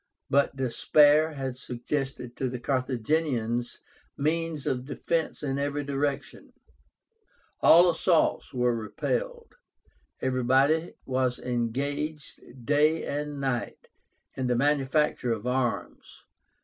But despair had suggested to the Carthaginians means of defence in every direction. All assaults were repelled. Everybody was engaged day and night in the manufacture of arms.